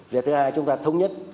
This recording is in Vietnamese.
việc thứ hai chúng ta thống nhất